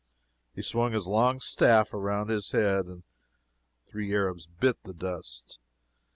He swung his long staff round his head and three Arabs bit the dust.